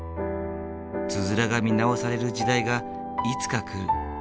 つづらが見直される時代がいつか来る。